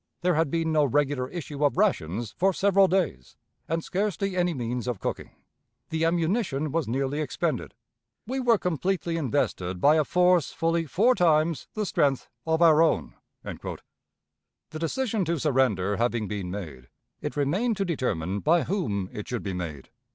There had been no regular issue of rations for several days, and scarcely any means of cooking. The ammunition was nearly expended. We were completely invested by a force fully four times the strength of our own." The decision to surrender having been made, it remained to determine by whom it should be made.